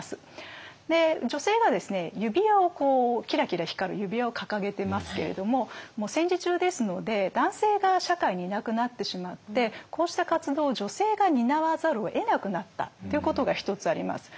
女性がですね指輪をキラキラ光る指輪を掲げてますけれども戦時中ですので男性が社会にいなくなってしまってこうした活動を女性が担わざるをえなくなったということが一つあります。